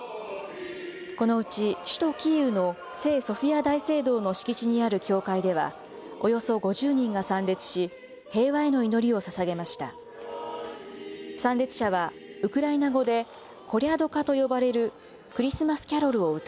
このうち首都キーウの聖ソフィア大聖堂の敷地にある教会ではおよそ５０人が参列し、平和への祈りをささげました。